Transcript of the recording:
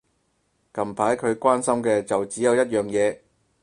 近排佢關心嘅就只有一樣嘢